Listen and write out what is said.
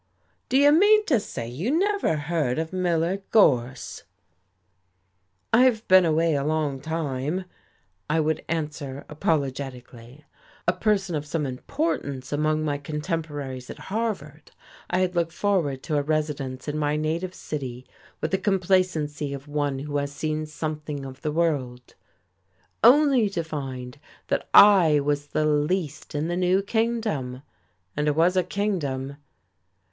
"Do you mean to say you never heard of Miller Gorse?" "I've been away a long time," I would answer apologetically. A person of some importance among my contemporaries at Harvard, I had looked forward to a residence in my native city with the complacency of one who has seen something of the world, only to find that I was the least in the new kingdom. And it was a kingdom.